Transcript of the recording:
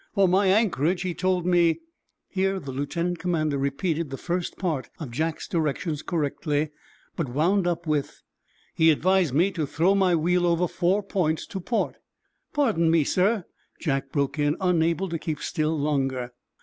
For my anchorage he told me—" Here the lieutenant commander repeated the first part of Jack's directions correctly, but wound up with: "He advised me to throw my wheel over four points to port." "Pardon me, sir," Jack broke in, unable to keep still longer.